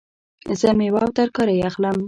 زه میوه او ترکاری اخلم